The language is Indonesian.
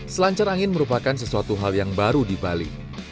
selancar angin merupakan sesuatu hal yang baru di bali